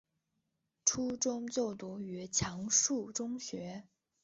初中就读于强恕中学。